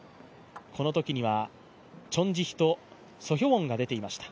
このときにはチョン・ジヒとソ・ヒョウォンが出ていました。